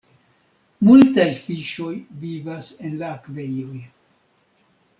Multaj fiŝoj vivas en la akvejoj.